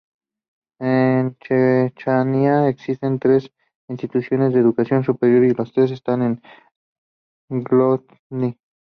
En Chechenia existen tres instituciones de educación superior y las tres están en Grozni.